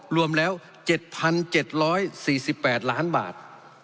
รวมแล้ว๗๗๔๘ล้านบาท